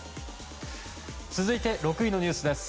続いて６位のニュースです。